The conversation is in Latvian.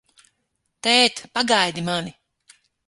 Tēt, pagaidi mani!